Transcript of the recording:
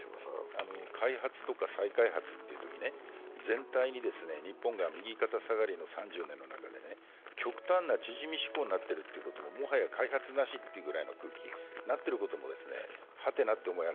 開発とか再開発というときに全体的に日本が右肩下がりの３０年の中で、極端な縮み志向になっているということ、極端な空気になってることも、ハテナと思う。